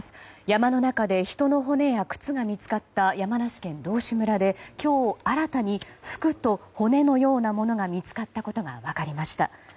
山の中で人の骨や靴が見つかった山梨県道志村で今日、新たに服と骨のようなものが見つかったことが分かりました。